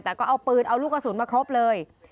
แต่ก็เอาปืนเอาลูกกระสุนมาครบเลย